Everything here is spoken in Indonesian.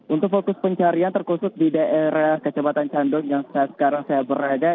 untuk fokus pencarian terkhusus di daerah kecematan candong yang sekarang saya berada